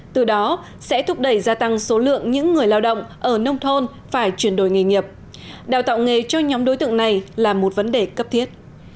từ đó sẽ thúc đẩy gia tăng số lượng những người lao động ở nông thôn phải chuyển đổi nghề nghiệp đào tạo nghề cho nhóm đối tượng này là một vấn đề cấp thiết